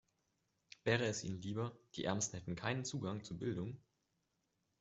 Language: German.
Wäre es ihnen lieber, die Ärmsten hätten keinen Zugang zu Bildung?